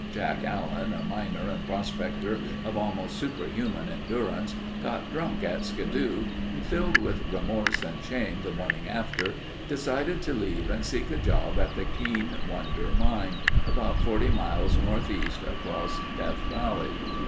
Jack Allen, a miner and prospector of almost superhuman endurance, got drunk at Skidoo and filled with remorse and shame the morning after, decided to leave and seek a job at the Keane Wonder Mine, about 40 miles northeast across Death Valley.